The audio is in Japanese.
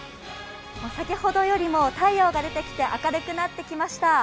先ほどよりも太陽が出てきて、明るくなってきました。